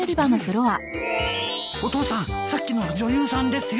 お父さんさっきの女優さんですよ。